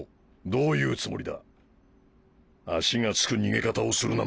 どういうつもりだ？